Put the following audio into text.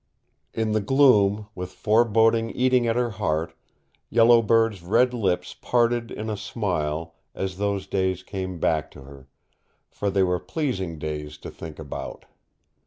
In the gloom, with foreboding eating at her heart, Yellow Bird's red lips parted in a smile as those days came back to her, for they were pleasing days to think about.